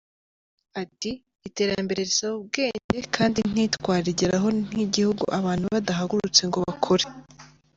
Ati “Iterambere risaba ubwenge kandi ntitwarigeraho nk’igihugu abantu badahagurutse ngo bakore.